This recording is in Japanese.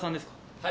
はい。